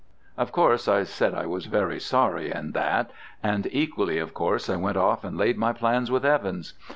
Of course I said I was very sorry and that, and equally of course I went off and laid my plans with Evans.